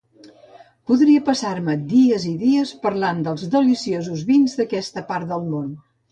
Podria passar-me dies i dies parlant dels deliciosos vins d'aquesta part del món.